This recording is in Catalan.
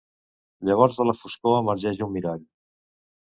Llavors de la foscor emergeix un mirall.